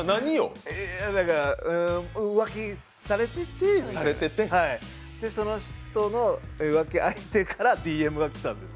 だから浮気されてて、その人の浮気相手からＤＭが来たんです。